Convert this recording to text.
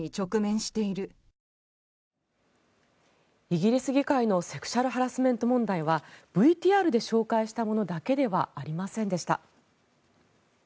イギリス議会のセクシュアルハラスメント問題はＶＴＲで紹介したものだけではありませんでした。